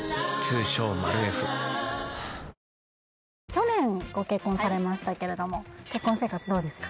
去年ご結婚されましたけれども結婚生活どうですか？